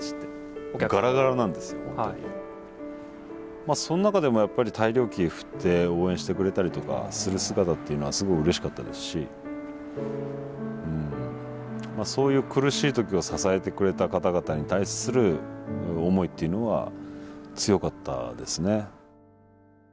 まあそん中でもやっぱり大漁旗振って応援してくれたりとかする姿っていうのはすごいうれしかったですしまあそういう苦しい時を支えてくれた方々に対する思いっていうのは強かったですね。